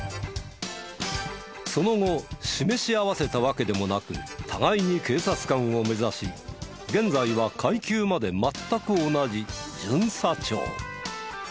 その後示し合わせたわけでもなく互いに警察官を目指し現在は階級まで全く同じ巡査長。